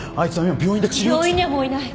病院にはもういない。